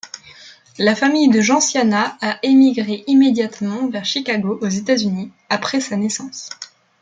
La famille de Gentiana a émigré immédiatement vers Chicago aux États-Unis après sa naissance.